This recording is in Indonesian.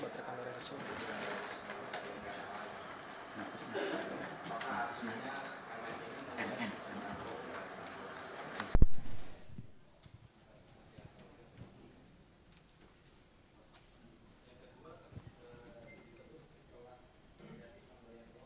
oke dua terlebih dahulu